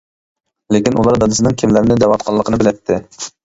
لېكىن ئۇلار دادىسىنىڭ كىملەرنى دەۋاتقانلىقىنى بىلەتتى.